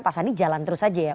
pas ini jalan terus saja ya